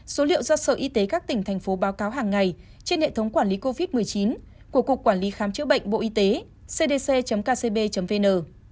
số liệu do sở y tế các tỉnh thành phố báo cáo hàng ngày trên hệ thống quản lý covid một mươi chín của cục quản lý khám chữa bệnh bộ y tế cdc kcb vn